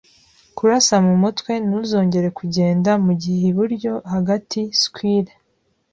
kurasa mumutwe, ntuzongere kugenda; mugihe iburyo hagati, squire